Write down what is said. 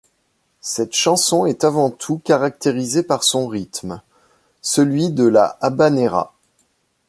Cette chanson est avant tout caractérisée par son rythme, celui de la habanera.